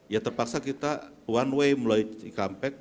ya terpaksa kita one way mulai comeback